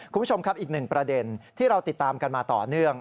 คุณผู้ชมครับอีกหนึ่งประเด็นที่เราติดตามกันมาต่อเนื่อง